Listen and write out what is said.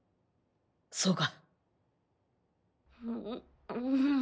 そうか。